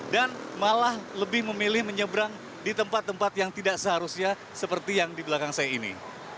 dan malah lebih memilih menyeberang di tempat tempat yang tidak seharusnya seperti yang di belakang saya ini